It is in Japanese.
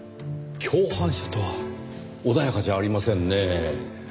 共犯者とは穏やかじゃありませんねぇ。